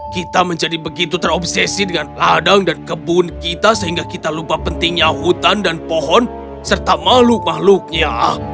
kita menjadi begitu terobsesi dengan ladang dan kebun kita sehingga kita lupa pentingnya hutan dan pohon serta makhluk makhluknya